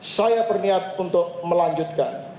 saya berniat untuk melanjutkan